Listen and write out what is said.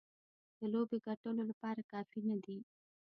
د لوبې ګټلو لپاره کافي نه دي.